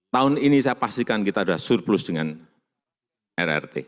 tahun ini saya pastikan kita sudah surplus dengan rrt